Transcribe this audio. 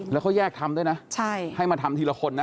แล้วเขาแยกทำด้วยนะให้มาทำทีละคนนะ